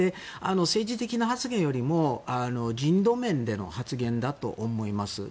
政治的な発言よりも人道面での発言だと思います。